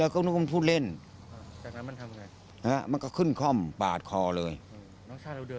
น้องชายเราเดินได้ไหม